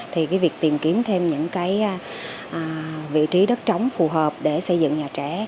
thì cái việc tìm kiếm thêm những cái vị trí đất trống phù hợp để xây dựng nhà trẻ